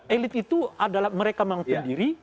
elit itu adalah mereka memang pendiri